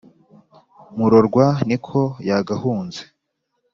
murorwa ni ko yagahunze